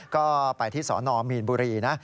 ก็ไปที่สนมีนบุรีนะ